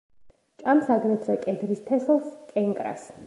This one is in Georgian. ჭამს აგრეთვე კედრის თესლს, კენკრას.